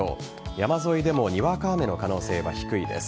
山沿いでもにわか雨の可能性は低いです。